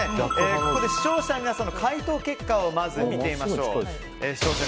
ここで視聴者の皆さんの回答結果を見てみましょう。